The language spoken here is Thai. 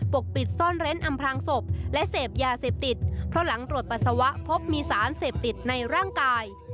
กปิดซ่อนเร้นอำพลางศพและเสพยาเสพติดเพราะหลังตรวจปัสสาวะพบมีสารเสพติดในร่างกาย